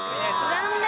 残念。